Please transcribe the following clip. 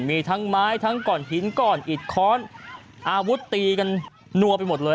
มีทั้งไม้ทั้งก่อนหินก่อนอิดค้อนอาวุธตีกันนัวไปหมดเลย